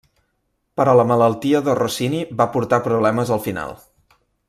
Però la malaltia de Rossini va portar problemes al final.